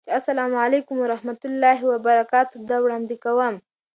چې اسلام علیکم ورحمة الله وبرکاته ده، وړاندې کوم